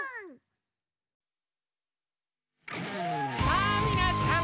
さぁみなさん！